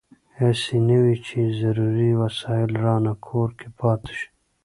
هسې نه وي چې ضروري وسایل رانه کور کې پاتې شي.